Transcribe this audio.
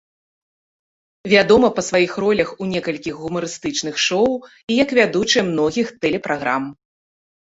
Вядома па сваіх ролях у некалькіх гумарыстычных шоу і як вядучая многіх тэлепраграм.